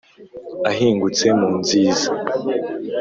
Ahingutse mu nziza